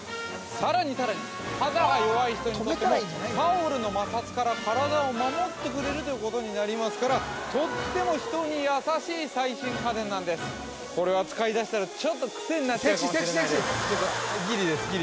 さらにさらに肌が弱い人にとってもタオルの摩擦から体を守ってくれるということになりますからとっても人に優しい最新家電なんですこれは使いだしたらちょっとクセになっちゃうかもしれないです